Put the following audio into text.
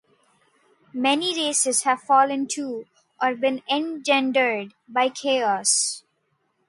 Many races have fallen to, or been engendered by Chaos.